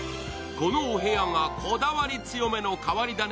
このお部屋がこだわり強めの変わりだね